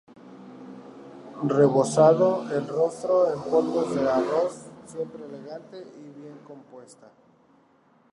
Rebozado el rostro en polvos de arroz, siempre elegante y bien compuesta.